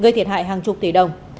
gây thiệt hại hàng chục tỷ đồng